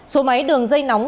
số máy đường dây nóng